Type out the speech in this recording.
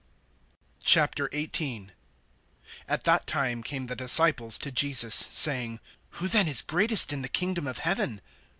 XVIII. AT that time came the disciples to Jesus, saying: Who then is greatest in the kingdom of heaven?